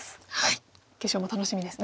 決勝も楽しみですね。